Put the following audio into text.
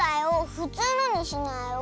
ふつうのにしなよ。